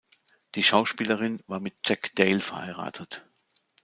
Die Schauspielerin war mit Jack Dale verheiratet.